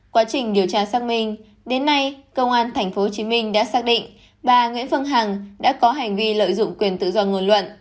quá trình điều tra xác minh đến nay công an tp hcm đã xác định bà nguyễn phương hằng đã có hành vi lợi dụng quyền tự do ngôn luận